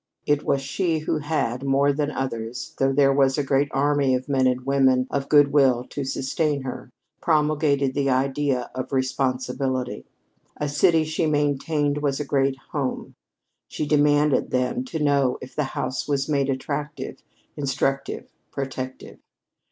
It was she who had, more than others, though there was a great army of men and women of good will to sustain her, promulgated this idea of responsibility. A city, she maintained, was a great home. She demanded, then, to know if the house was made attractive, instructive, protective.